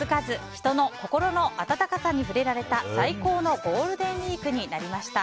人の心の温かさに触れられた最高のゴールデンウィークになりました。